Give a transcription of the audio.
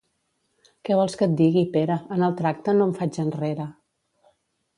Què vols que et digui, Pere, en el tracte, no em faig enrere.